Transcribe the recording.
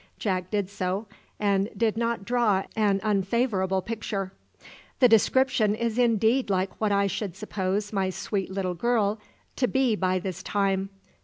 Jack did so, and did not draw an unfavourable picture. "The description is indeed like what I should suppose my sweet little girl to be by this time.